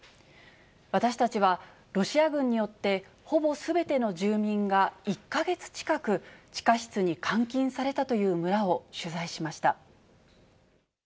私たちは、ロシア軍によってほぼすべての住民が１か月近く、地下室に監禁されたという村を取材しました。